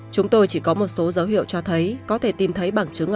chúng tôi chỉ có một số dấu hiệu cho thấy